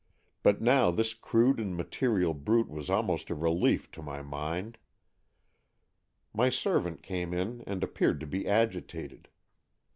But now this crude and material brute was almost a relief to my mind. My servant came in and appeared to be agitated.